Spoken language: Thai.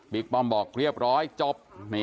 ป้อมบอกเรียบร้อยจบ